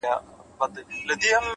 کيسې د پروني ماښام د جنگ در اچوم؛